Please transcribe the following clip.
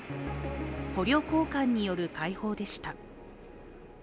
捕虜交換による解放でした。